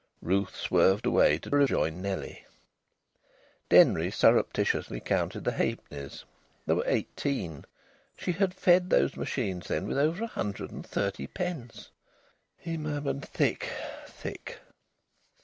Ruth swerved away to rejoin Nellie. Denry surreptitiously counted the halfpennies. There were eighteen. She had fed those machines, then, with over a hundred and thirty pence. He murmured, "Thick, thick!"